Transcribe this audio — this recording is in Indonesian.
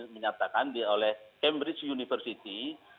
menyatakan oleh cambridge university